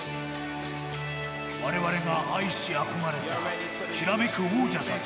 我々が愛し憧れたきらめく王者たち。